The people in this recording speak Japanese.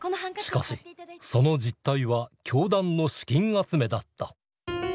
しかしその実態は教団の資金集めだった。